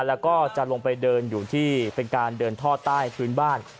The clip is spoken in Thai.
แล้วก็จะลงไปเดินอยู่ที่เป็นการเดินท่อใต้พื้นบ้าน